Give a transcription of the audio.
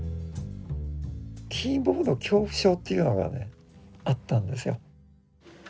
キーボード恐怖症というのがねあったんですよ。